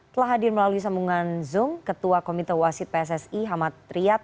telah hadir melalui sambungan zoom ketua komite wasit pssi hamad riyad